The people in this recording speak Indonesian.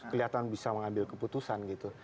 kelihatan bisa mengambil keputusan gitu